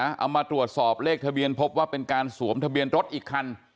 เอามาตรวจสอบเลขทะเบียนพบว่าเป็นการสวมทะเบียนรถอีกคัน